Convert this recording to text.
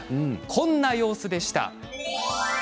こんな様子でした。